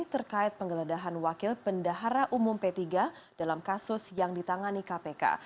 terkait penggeledahan wakil pendahara umum p tiga dalam kasus yang ditangani kpk